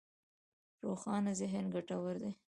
روښانه ذهن ګټور دی.